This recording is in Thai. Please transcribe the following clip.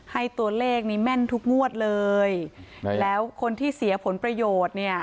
ให้ตัวเลขนี้แม่นทุกงวดเลยแล้วคนที่เสียผลประโยชน์เนี่ย